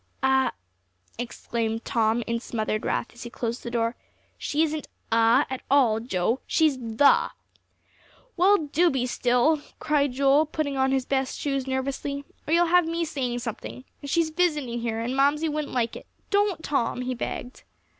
"'A,'" exclaimed Tom, in smothered wrath, as he closed the door. "She isn't 'a' at all, Joe. She's 'the.'" "Well, do be still," cried Joel, putting on his best shoes nervously, "or you'll have me saying something. And she's visiting here; and Mamsie wouldn't like it. Don't, Tom," he begged.